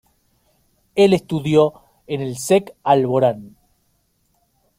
Él estudió en el Sek Alborán.